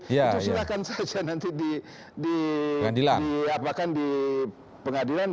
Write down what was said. itu silakan saja nanti di pengadilan